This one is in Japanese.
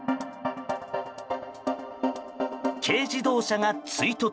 軽自動車が追突。